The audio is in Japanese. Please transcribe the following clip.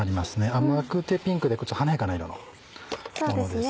甘くてピンクで華やかな色のものですね。